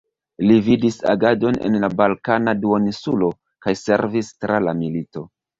Li vidis agadon en la Balkana duoninsulo, kaj servis tra la milito.